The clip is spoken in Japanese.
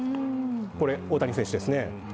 これ、大谷選手ですね。